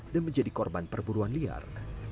dan menjadi korban perburuan liar